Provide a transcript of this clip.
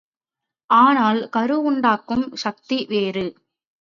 ஆனால் கருவுண்டாக்கும் சக்தி வேறு.